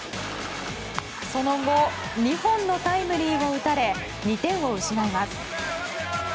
その後２本のタイムリーを打たれ２点を失います。